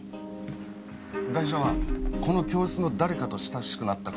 ガイシャはこの教室の誰かと親しくなった可能性が。